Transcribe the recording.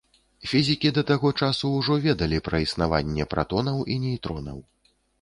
Фізікі да таго часу ўжо ведалі пра існаванне пратонаў і нейтронаў.